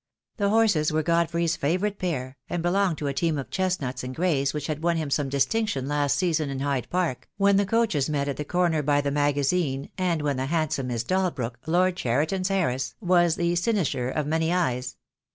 The horses were Godfrey's favourite pair, and belonged to a team of chestnuts and greys which had won him some distinction last season in Hyde Park, when the coaches met at the corner by the Magazine, and when the hand some Miss Dalbrook, Lord Cheriton's heiress, was the cynosure of many eyes.